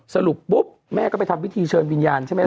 สรุปปุ๊บแม่ก็ไปทำพิธีเชิญวิญญาณใช่ไหม